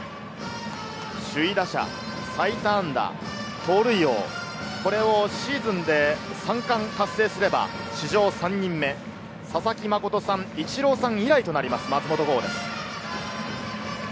首位打者、最多安打、盗塁王、これをシーズンで三冠達成すれば史上３人目、佐々木誠さん、イチローさん以来となります、松本剛です。